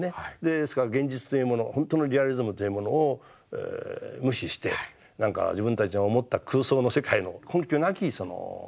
ですから現実というものを本当のリアリズムというものを無視して何か自分たちが思った空想の世界の「根拠なき確信」といいますか。